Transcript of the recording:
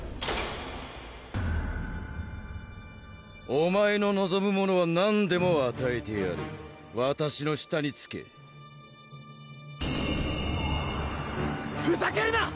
お前ののぞむものは何でもあたえてやるわたしの下につけふざけるな！